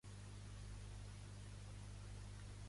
T'odio, amor meu!